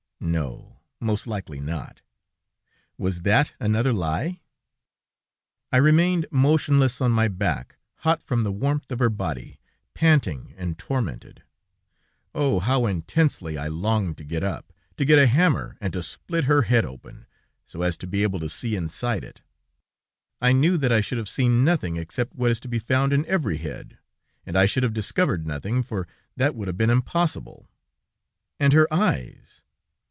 No, most likely not. Was that another lie? "I remained motionless on my back, hot from the warmth of her body, panting and tormented. Oh! how intensely I longed to get up, to get a hammer and to split her head open, so as to be able to see inside it! I knew that I should have seen nothing except what is to be found in every head, and I should have discovered nothing, for that would have been impossible. And her eyes!